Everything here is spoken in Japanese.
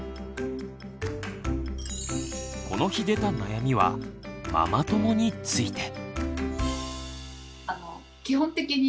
この日出た悩みは「ママ友」について。